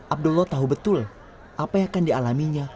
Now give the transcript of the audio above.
abdullah tahu betul apa yang akan dialaminya